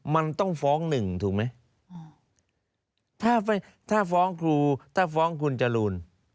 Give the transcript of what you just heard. มันต้องฟ้องหนึ่งถูกไหมถ้าฟ้องครูถ้าฟ้องคุณจรูน